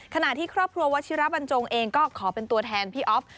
ขณะที่ครอบครัววัชิระบันจงเองก็ขอเป็นตัวแทนพี่อ๊อฟ